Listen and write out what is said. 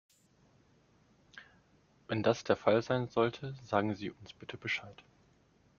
Wenn das der Fall sein sollte, sagen Sie uns bitte Bescheid.